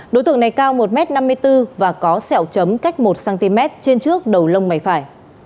đối tượng này cao một m năm mươi bốn và có sẹo chấm cách một cm trên trước đầu lông mày phải